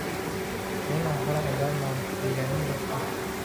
«Men axir odamman» deganing bir pul…